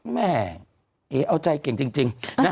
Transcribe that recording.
แม่เอ๋เอาใจเก่งจริง